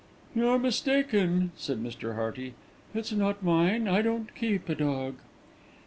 "You're mistaken," said Mr. Hearty. "It's not mine; I don't keep a dog."